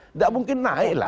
tidak mungkin naik lah